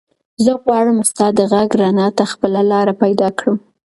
زه غواړم ستا د غږ رڼا ته خپله لاره پیدا کړم.